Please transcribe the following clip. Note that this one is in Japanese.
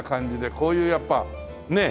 こういうやっぱねえ。